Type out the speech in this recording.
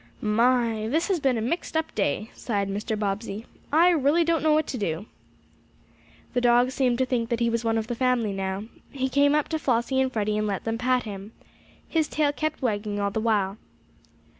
"My! This has been a mixedup day!" sighed Mr. Bobbsey. "I really don't know what to do." The dog seemed to think that he was one of the family, now. He came up to Flossie and Freddie and let them pat him. His tail kept wagging all the while.